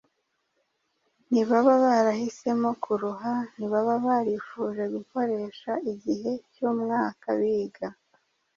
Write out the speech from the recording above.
Ntibaba barahisemo kuruha ntibaba barifuje gukoresha igihe cy’umwaka biga